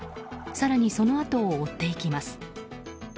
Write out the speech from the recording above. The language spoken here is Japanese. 更にそのあとを追っていきます。